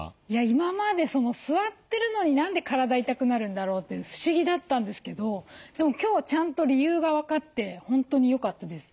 今まで座ってるのに何で体痛くなるんだろうって不思議だったんですけどでも今日ちゃんと理由が分かって本当に良かったです。